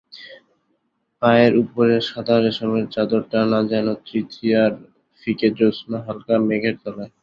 পায়ের উপরে সাদা রেশমের চাদর টানা, যেন তৃতীয়ার ফিকে জ্যোৎস্না হালকা মেঘের তলায়।